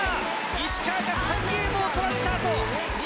石川が３ゲームをとられたあと２